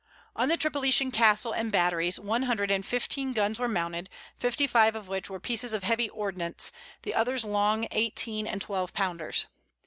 On the Tripolitan castle and batteries, one hundred and fifteen guns were mounted, fifty five of which were pieces of heavy ordnance, the others long eighteen and twelve pounders.